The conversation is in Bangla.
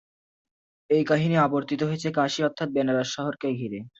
এই কাহিনী আবর্তিত হয়েছে কাশী অর্থাৎ বেনারস শহরকে ঘিরে।